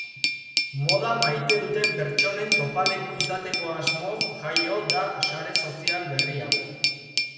Moda maite duten pertsonen topaleku izateko asmoz jaio da sare sozial berri hau.